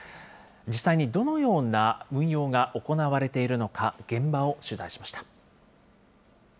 実際にどのような運用が行われているのか、現場を取材しました。